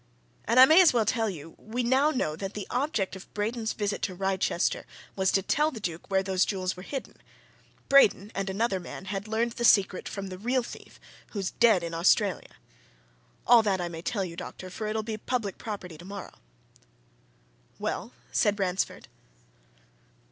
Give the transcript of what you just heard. And I may as well tell you we now know that the object of Braden's visit to Wrychester was to tell the Duke where those jewels were hidden. Braden and another man had learned the secret, from the real thief, who's dead in Australia. All that I may tell you, doctor for it'll be public property tomorrow." "Well?" said Ransford.